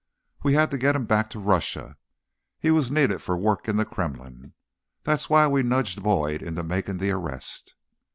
We had to get him back to Russia; he was needed for work in the Kremlin. That's why we nudged Boyd into making the arrest."